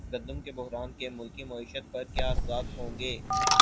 گندم کے بحران کے ملکی معیشت پر کیا اثرات ہوں گے